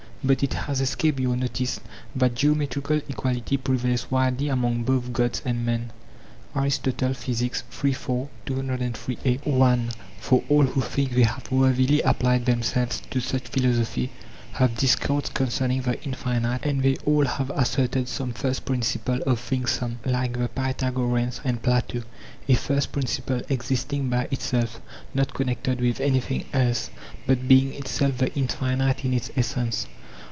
But it has escaped your notice that geometrical equality prevails widely among both gods and men. PassaGes IN ARISTOTLE REFERRING TO THE PyTHa GOREANS. Phys. iii. 4; 208321. For all who think they have worthily applied themselves to such philosophy, have discoursed concerning the infinite, and they all have asserted some first principle of things—some, like the Pythagoreans and Plato, a first principle existing by itself, not connected with anything else, but being itself the infinite in its essence.